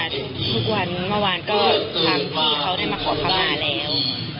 ทุกวันเมื่อวานก็ตามที่เขาได้มาขอเข้ามาแล้ว